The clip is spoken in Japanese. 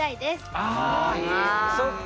ああそっか。